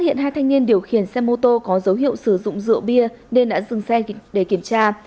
hiện hai thanh niên điều khiển xe mô tô có dấu hiệu sử dụng rượu bia nên đã dừng xe để kiểm tra